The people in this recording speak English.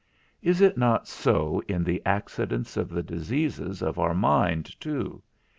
Is it not so in the accidents of the diseases of our mind too?